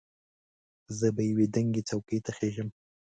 زه به یوې دنګې څوکې ته خېژم.